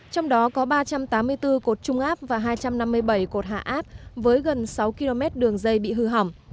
trong đó có ba trăm tám mươi bốn cột trung áp và hai trăm năm mươi bảy cột hạ áp với gần sáu km đường dây bị hư hỏng